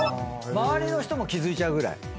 周りの人も気付いちゃうぐらい？